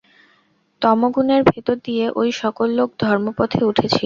তমোগুণের ভেতর দিয়ে ঐ-সকল লোক ধর্মপথে উঠেছিল।